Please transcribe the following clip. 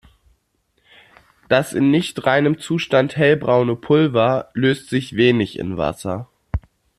Das in nicht reinem Zustand hellbraune Pulver löst sich wenig in Wasser.